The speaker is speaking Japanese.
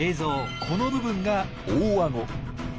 この部分が大あご。